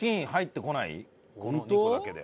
この２個だけで。